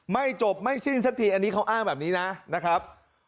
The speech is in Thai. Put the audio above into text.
ไม่จบไม่สิ้นสักทีอันนี้เขาอ้างแบบนี้นะครับ